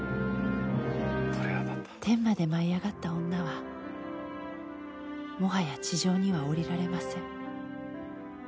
⁉「天まで舞い上がった女はもはや地上には降りられません」。